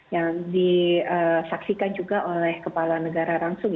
yang disaksikan juga oleh kepala negara langsung